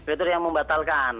itu yang membatalkan